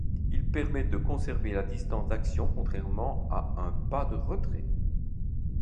Il permet de conserver la distance d’action contrairement à un pas de retrait.